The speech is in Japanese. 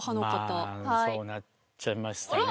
まあそうなっちゃいますかね。